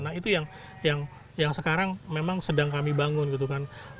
nah itu yang sekarang memang sedang kami bangun gitu kan